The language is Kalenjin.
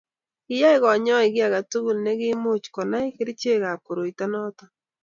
kiyai kanyoik kiy age tugul ne kiimuch kunai kerichekab koroito noto